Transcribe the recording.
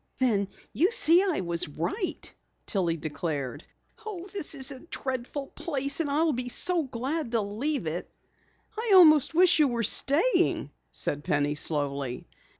"Then you see I was right," Tillie declared. "Oh, this is a dreadful place, and I'll be glad to leave it." "I almost wish you were staying," said Penny slowly.